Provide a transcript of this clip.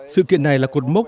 sự kiện này là cột mốc